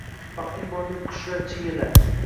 Baxting bor, deb qushlar chiyillar…